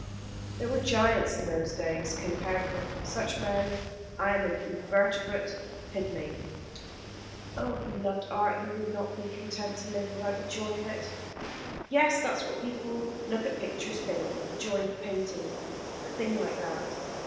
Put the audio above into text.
"There were giants in those days. Compared with such men I am an invertebrate pigmy." "Oh, if you loved art you would not be content to live without the joy of it." "Yes, that's what people who look at pictures think the joy of painting a thing like that.